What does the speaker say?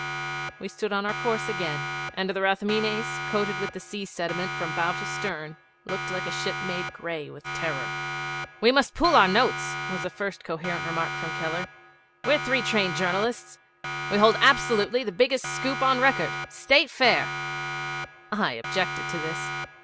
We stood on our course again; and the Rathmines, coated with the sea sediment from bow to stern, looked like a ship made gray with terror. 'We must pool our notes,' was the first coherent remark from Keller. 'We're three trained journalists we hold absolutely the biggest scoop on record. Start fair.' I objected to this.